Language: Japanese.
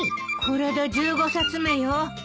これで１５冊目よ。